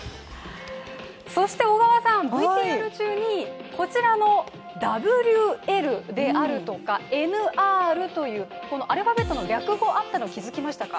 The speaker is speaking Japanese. そして小川さん、ＶＴＲ中にこちらのＷＬであるとか、ＮＲというアルファベットの略語あったの気づきましたか？